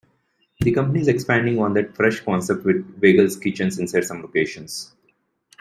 The company is expanding on that fresh concept with Weigel's Kitchens inside some locations.